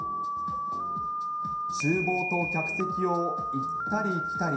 ちゅう房と客席を行ったり来たり。